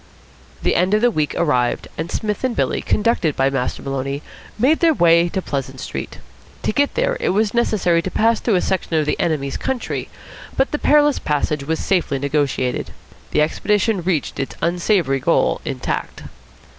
The end of the week arrived, and Psmith and Billy, conducted by Master Maloney, made their way to Pleasant Street. To get there it was necessary to pass through a section of the enemy's country; but the perilous passage was safely negotiated. The expedition reached its unsavoury goal intact.